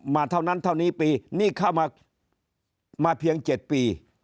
เท่านั้นเท่านี้ปีนี่เข้ามาเพียง๗ปี